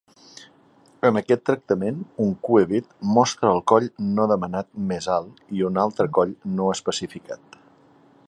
En aquest tractament, un cue-bid mostra el coll no demanat més alt i un altre coll no especificat.